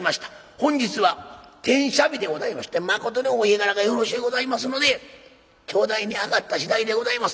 本日は天赦日でございまして誠にお日柄がよろしゅうございますので頂戴に上がったしだいでございます。